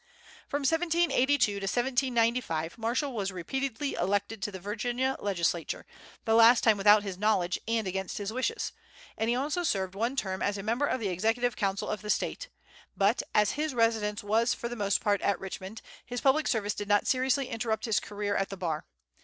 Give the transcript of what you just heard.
From 1782 to 1795, Marshall was repeatedly elected to the Virginia Legislature, the last time without his knowledge and against his wishes; and he also served one term as a member of the Executive Council of the State; but, as his residence was for the most part at Richmond, his public service did not seriously interrupt his career at the Bar.